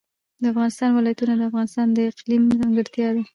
د افغانستان ولايتونه د افغانستان د اقلیم ځانګړتیا ده.